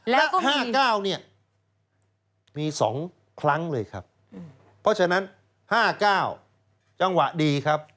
และ๕๙เนี่ยมี๒ครั้งเลยครับเพราะฉะนั้น๕๙จังหวะดีครับ